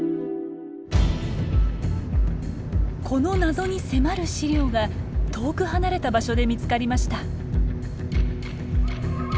この謎に迫る史料が遠く離れた場所で見つかりました。